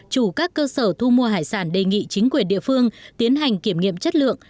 chủ các cơ sở thu mua hải sản đề nghị chính quyền địa phương tiến hành kiểm nghiệm chất lượng